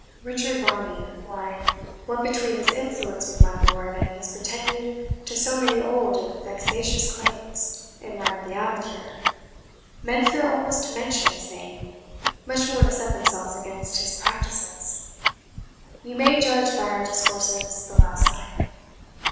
"Richard Varney why, what between his influence with my lord, and his pretending to so many old and vexatious claims in right of the abbot here, men fear almost to mention his name, much more to set themselves against his practices. You may judge by our discourses the last night.